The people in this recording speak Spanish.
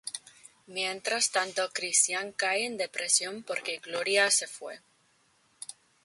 Mientras tanto Christian cae en depresión porque Gloria se fue.